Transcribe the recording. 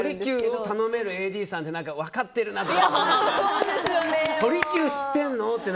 鳥久を頼めるＡＤさんって分かってるなって。